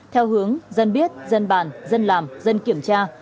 theo hướng dân biết dân bàn dân làm dân kiểm tra